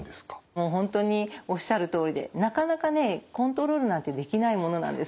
もう本当におっしゃるとおりでなかなかねコントロールなんてできないものなんです。